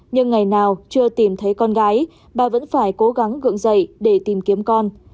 nhưng ngày nào chưa tìm thấy con gái bà vẫn phải cố gắng gượng dậy để tìm kiếm con